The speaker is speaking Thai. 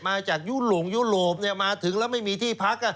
ยุหลงยุโรปมาถึงแล้วไม่มีที่พัก